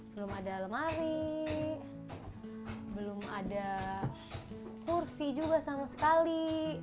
belum ada lemari belum ada kursi juga sama sekali